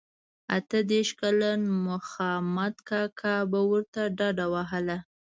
اته دیرش کلن مخامد کاکا به ورته ډډه وهله.